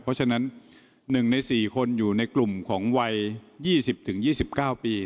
เพราะฉะนั้น๑ใน๔คนอยู่ในกลุ่มของวัย๒๐๒๙ปี